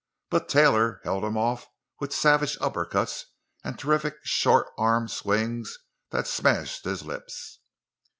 But Taylor held him off with savage uppercuts and terrific short arm swings that smashed his lips.